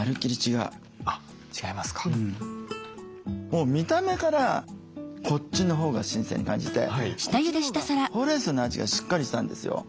もう見た目からこっちのほうが新鮮に感じてこっちのほうがほうれんそうの味がしっかりしたんですよ。